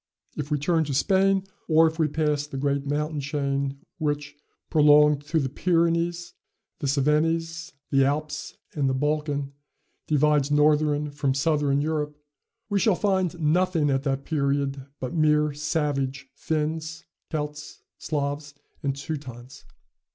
If we turn to Spain; or if we pass the great mountain chain, which, prolonged through the Pyrenees, the Cevennes, the Alps, and the Balkan, divides Northern from Southern Europe, we shall find nothing at that period but mere savage Finns, Celts, Slavs, and Teutons.